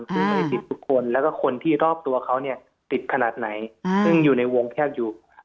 ซึ่งไม่ติดทุกคนแล้วก็คนที่รอบตัวเขาเนี่ยติดขนาดไหนซึ่งอยู่ในวงแคบอยู่